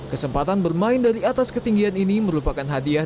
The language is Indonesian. kesempatan bermain dari atas ketinggian ini merupakan hadiah